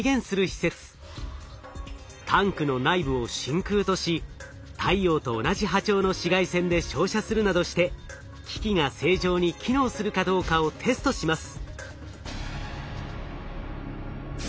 タンクの内部を真空とし太陽と同じ波長の紫外線で照射するなどして機器が正常に機能するかどうかをテストします。